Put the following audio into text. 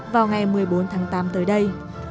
vào ngày một mươi bốn tháng tám tới đây